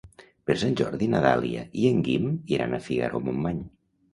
Per Sant Jordi na Dàlia i en Guim iran a Figaró-Montmany.